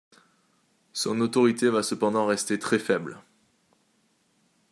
Son autorité va cependant rester très faible.